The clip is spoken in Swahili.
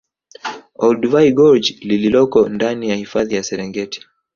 Olduvai Gorge lililoko ndani ya hifadhi ya Serengeti